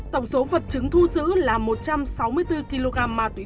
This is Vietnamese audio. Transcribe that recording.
tổng số vật chứng thu giữ là một trăm sáu mươi bốn kg ma túy